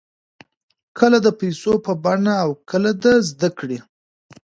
کله د پیسو په بڼه او کله د زده کړې.